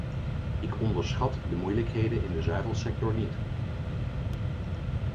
Ik onderschat de moeilijkheden in de zuivelsector niet.